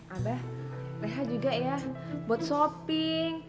abah reha juga ya buat shopping